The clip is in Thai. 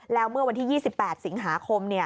แล้วเมื่อวันที่๒๘สิงหาคม